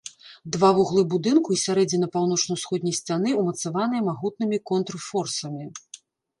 Два вуглы будынку і сярэдзіна паўночна-ўсходняй сцяны ўмацаваныя магутнымі контрфорсамі.